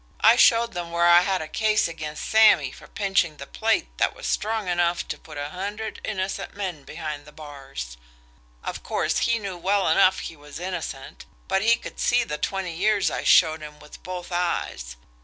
I showed them where I had a case against Sammy for pinching the plate that was strong enough to put a hundred innocent men behind the bars. Of course, he knew well enough he was innocent, but he could see the twenty years I showed him with both eyes.